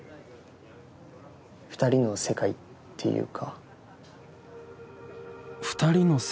二人の世界っていうか。